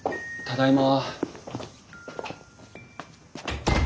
ただいま。